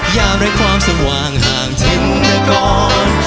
ยามได้ความสว่างห่างทิ้งมาก่อน